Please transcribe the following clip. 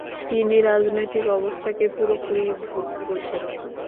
তিনি রাজনৈতিক অবস্থাকে পুরোপুরি ভুল বোঝেন।